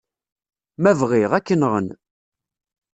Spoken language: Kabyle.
Ma bɣiɣ, ad k-nɣen.